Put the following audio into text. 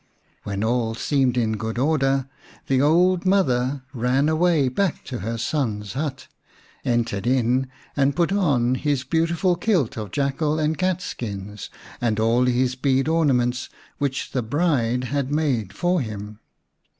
When all seemed in good order the old mother ran away back to her son's hut, entered in and put on his beautiful kilt of jackal and cat skins, and all his bead ornaments, which the bride had made for him.